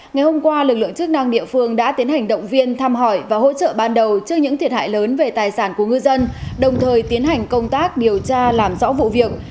ngày hôm qua lực lượng chức năng địa phương đã tiến hành động viên thăm hỏi và hỗ trợ ban đầu trước những thiệt hại lớn về tài sản của ngư dân đồng thời tiến hành công tác điều tra làm rõ vụ việc